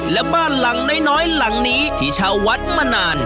และบ้านหลังน้อยหลังนี้ที่เช่าวัดมานาน